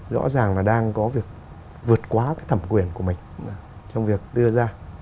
rõ ràng là đang có việc vượt quá cái thẩm quyền của mình trong việc đưa ra